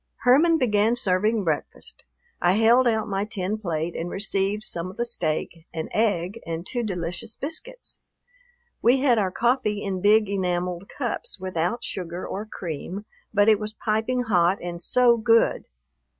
Herman began serving breakfast. I held out my tin plate and received some of the steak, an egg, and two delicious biscuits. We had our coffee in big enameled cups, without sugar or cream, but it was piping hot and so good.